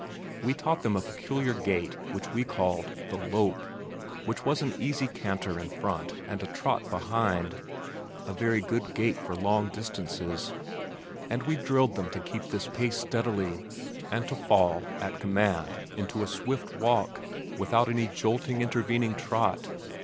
We taught them a peculiar gait which we called "the lope," which was an easy canter in front and a trot behind (a very good gait for long distances), and we drilled them to keep this pace steadily and to fall at command into a swift walk without any jolting intervening trot.